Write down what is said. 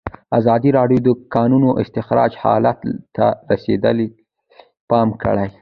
ازادي راډیو د د کانونو استخراج حالت ته رسېدلي پام کړی.